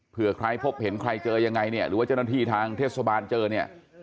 เพื่อใครพบเห็นใครเจอยังไงเนี่ยหรือว่าเจ้าหน้าที่ทางเทศบาลเจอเนี่ย